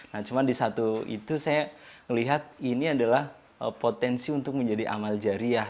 nah cuma di satu itu saya melihat ini adalah potensi untuk menjadi amal jariah